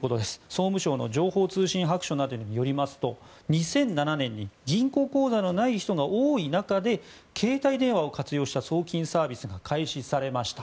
総務省の情報通信白書などによりますと２００７年に銀行口座のない人が多い中で携帯電話を活用した送金サービスが開始されました。